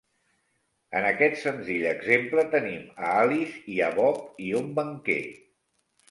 En aquest senzill exemple tenim a Alice i a Bob i un banquer.